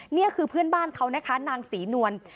นี่คือเพื่อนบ้านเขานะคะนางศรีนวล